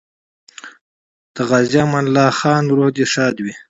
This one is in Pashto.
د غازي امان الله خان روح دې ښاد وي.